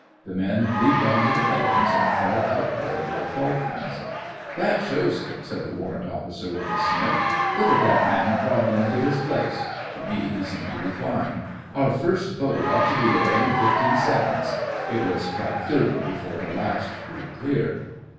The men leaped on to the nettings and fell outboard like dolphins. 'That shows it,' said the Warrant Officer with a sniff. 'Look at that man crawlin' into his place' (to me he seemed to be flying). 'Our first boat ought to be away in fifteen seconds' (it was quite thirty before the last drew clear).